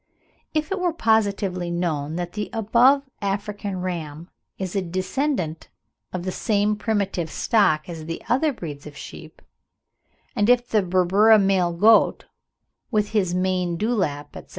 If it were positively known that the above African ram is a descendant of the same primitive stock as the other breeds of sheep, and if the Berbura male goat with his mane, dewlap, etc.